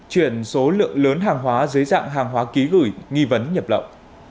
chuyển số lượng lớn hàng hóa dưới dạng hàng hóa ký gửi nghi vấn nhập lậu